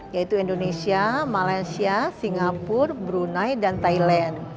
yaitu indonesia malaysia singapura brunei dan thailand